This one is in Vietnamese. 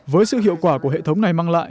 với sự hiệu quả của hệ thống này mang lại